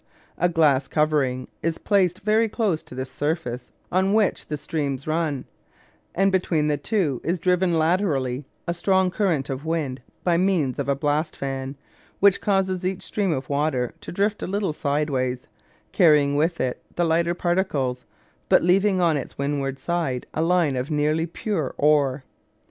A glass covering is placed very close to this surface on which the streams run; and between the two is driven laterally a strong current of wind by means of a blast fan, which causes each stream of water to drift a little sidewards, carrying with it the lighter particles, but leaving on its windward side a line of nearly pure ore.